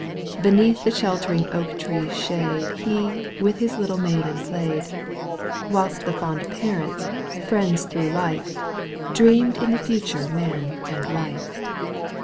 Beneath the sheltering oak tree's shade He with his little maiden played, Whilst the fond parents, friends thro' life. Dreamed in the future man and wife.